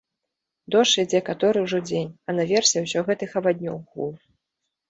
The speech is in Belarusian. Дождж ідзе каторы ўжо дзень, а наверсе ўсё гэтых аваднёў гул.